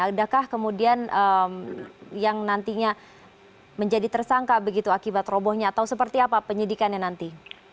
adakah kemudian yang nantinya menjadi tersangka begitu akibat robohnya atau seperti apa penyidikannya nanti